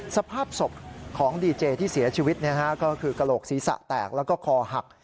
สภาพศพของดีเจที่เสียชีวิตก็คือกระโหลกศีรษะแตกแล้วก็คอหัก